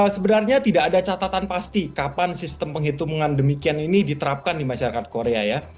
sebenarnya tidak ada catatan pasti kapan sistem penghitungan demikian ini diterapkan di masyarakat korea ya